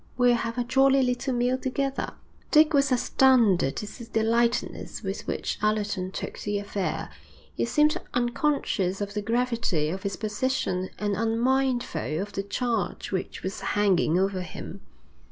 We'll have a jolly little meal together.' Dick was astounded to see the lightness with which Allerton took the affair. He seemed unconscious of the gravity of his position and unmindful of the charge which was hanging over him.